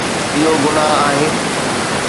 اهو گناهه آهي